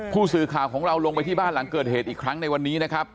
ผู้สื่อข่าวของเราลงไปที่บ้านหลังเกิดเหตุอีกครั้งในวันนี้นะครับ